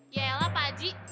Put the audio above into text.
yaelah pak haji